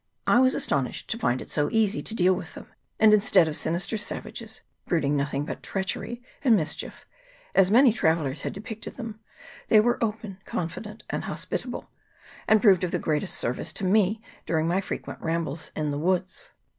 I was astonished to find it so easy to deal with them ; and instead of sinister savages, brooding nothing but treachery and mis chief, as many travellers have depicted them, they were open, confident, and hospitable, and proved of the greatest service to me during my frequent ram bles in the woods.